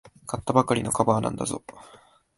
買ったばかりのカバーなんだぞ。